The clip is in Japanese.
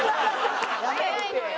早いのよ。